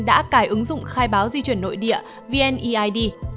đã cài ứng dụng khai báo di chuyển nội địa vneid